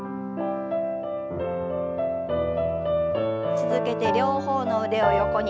続けて両方の腕を横に。